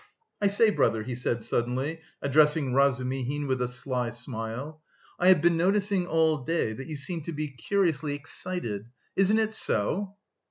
"I say, brother," he said suddenly, addressing Razumihin, with a sly smile, "I have been noticing all day that you seem to be curiously excited. Isn't it so?"